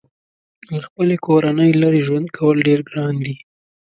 له خپلې کورنۍ لرې ژوند کول ډېر ګران دي.